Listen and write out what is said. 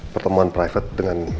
pertemuan private dengan